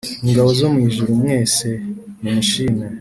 Ingabo zo mu ijuru mwese mumushime